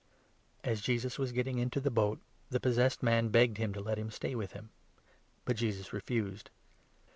As 18 Jesus was getting into the boat, the possessed man begged him to let him stay with him. But Jesus refused.